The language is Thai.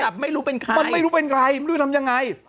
ไม่รู้เป็นใครมันไม่รู้เป็นใครไม่รู้ทำยังไง